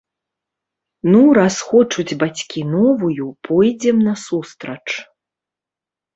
Ну раз хочуць бацькі новую, пойдзем насустрач.